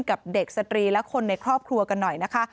กับเด็กสตรีและคนในครอบครัวกันหน่อยนะคะ